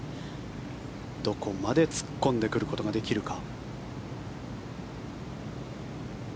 どこまで突っ込んでくることができるか。